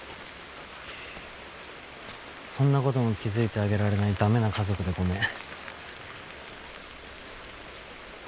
そんなことも気付いてあげられない駄目な家族でごめん。